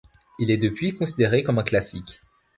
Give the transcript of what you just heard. Il est depuis considéré comme un classique.